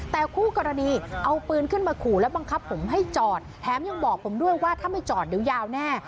แต่คู่กรณีเอาปืนขึ้นมาขู่และบังคับผมให้จอดแถมยังบอกผมด้วยว่าถ้าไม่จอดเดี๋ยวยาวแน่